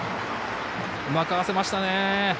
うまく合わせましたね。